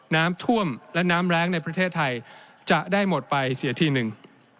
น้ำท่วมและน้ำแรงในประเทศไทยจะได้หมดไปเสียทีหนึ่ง